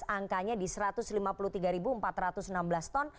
angkanya di satu ratus lima puluh tiga empat ratus enam belas ton